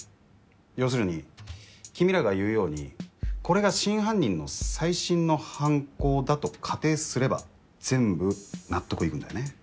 要するに君らが言うようにこれが真犯人の最新の犯行だと仮定すれば全部納得いくんだよね。